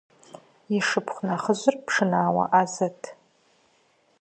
И шыпхъу нэхъыжьыр пшынауэ Ӏэзэт.